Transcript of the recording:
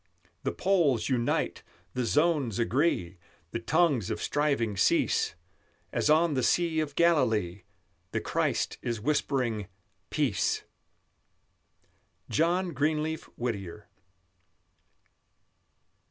The poles unite, the zones agree, The tongues of striving cease; As on the Sea of Galilee The Christ is whispering, Peace! JOHN GREENLEAF WHITTIER.